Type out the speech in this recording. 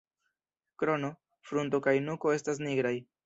Krono, frunto kaj nuko estas nigraj.